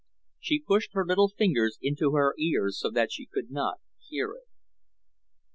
She pushed her little fingers into her ears so that she could not hear it....